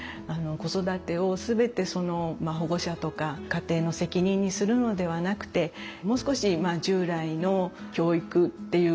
子育てを全てその保護者とか家庭の責任にするのではなくてもう少し従来の教育っていう枠組みも超えてですね